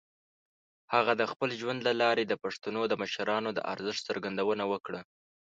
هغه د خپل ژوند له لارې د پښتنو د مشرانو د ارزښت څرګندونه وکړه.